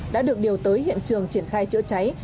đã được điều tới hiện trường triển khai chữa cháy